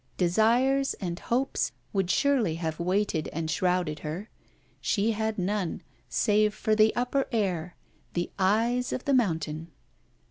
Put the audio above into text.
Desires and hopes would surely have weighted and shrouded her. She had none, save for the upper air, the eyes of the mountain.